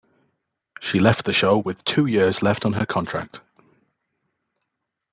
She left the show with two years left on her contract.